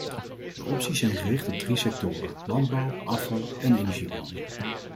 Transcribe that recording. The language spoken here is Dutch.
De opties zijn gericht op drie sectoren: landbouw, afval en energiebronnen.